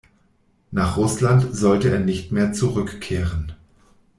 Nach Russland sollte er nicht mehr zurückkehren.